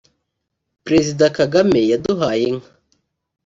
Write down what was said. Perezida Kagame yaduhaye inka